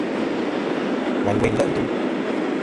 Wayn weyn nle' ntum.